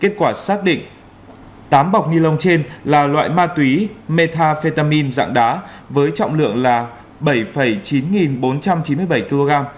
kết quả xác định tám bọc ni lông trên là loại ma túy metafetamin dạng đá với trọng lượng là bảy chín nghìn bốn trăm chín mươi bảy kg